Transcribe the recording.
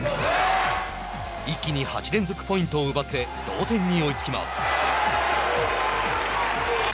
一気に８連続ポイントを奪って同点に追いつきます。